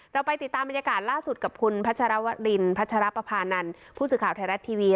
เราไปติดตามบรรยากาศล่าสุดกับคุณพัชรวรินพัชรปภานันทร์ผู้สื่อข่าวไทยรัฐทีวี